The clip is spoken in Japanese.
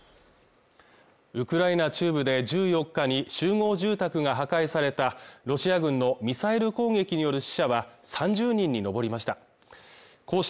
ウクライナ中部で１４日に集合住宅が破壊されたロシア軍のミサイル攻撃による死者は３０人に上りました